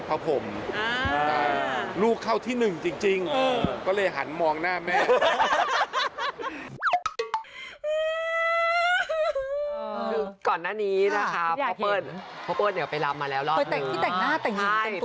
เพื่อที่แต่งหน้าแต่งหนี่เต็มตัวใช่ไหมคะตาย